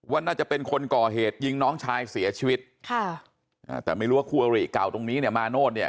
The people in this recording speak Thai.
น่าจะเป็นคนก่อเหตุยิงน้องชายเสียชีวิตค่ะอ่าแต่ไม่รู้ว่าคู่อริเก่าตรงนี้เนี่ยมาโนธเนี่ย